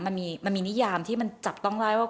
มันมีนิยามที่มันจับต้องได้ว่า